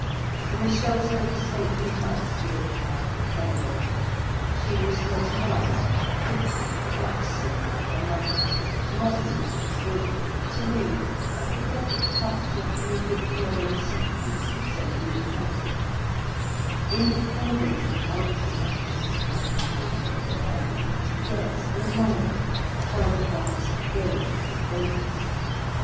In the shelter of a stately house lived Althea Fenimore. She was twenty one; pretty, buxom, like her mother, modern, with (to me) a pathetic touch of mid Victorian softness and sentimentality; independent in outward action, what we call "open air"; yet an anomaly, fond at once of games and babies.